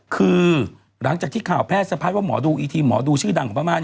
คือหลังจากที่ข่าวแพทย์สะพัดว่าหมอดูอีทีหมอดูชื่อดังของพม่า